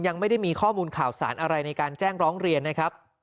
ยังไม่ได้มีข้อมูลข่าวสารอะไรในการแจ้งร้องเรียนนะครับ